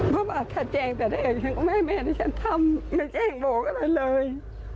เขาเพราะว่าถ้าแจงแบบนั้นก็ไม่ให้ฉันทำไม่แจงนะคะเลย